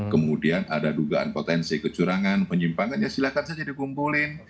kemudian ada dugaan potensi kecurangan penyimpangan ya silahkan saja dikumpulin